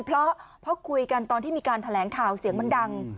เพราะคุยกันตอนที่มีการแถลงข่าวเสียงมันดัง